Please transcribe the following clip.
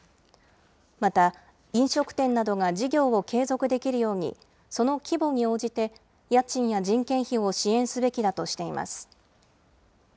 また飲食店などが事業を継続できるように、その規模に応じて家賃や人件費を支援すべきだとしています。